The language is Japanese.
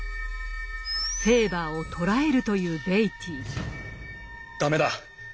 「フェーバーを捕らえる」というベイティー。